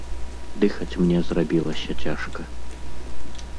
Дыхаць мне зрабілася цяжка.